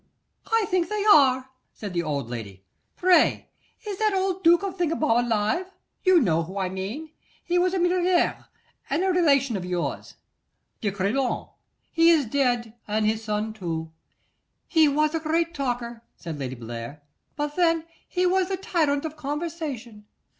'I think they are,' said the old lady. 'Pray, is the old Duke of Thingabob alive? You know whom I mean: he was an émigré, and a relation of yours.' 'De Crillon. He is dead, and his son too.' 'He was a great talker,' said Lady Bellair, 'but then, he was the tyrant of conversation.